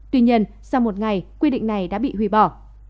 tuy nhiên sau một ngày quy định này đã bị hủy bỏ